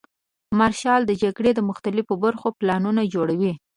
مارشال د جګړې د مختلفو برخو پلانونه جوړوي.